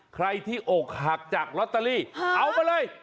ใครที่อกหักจากลอตเตอรี่เอามาเลย